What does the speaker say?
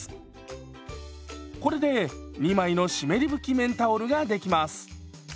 これで２枚の湿り拭き綿タオルができます。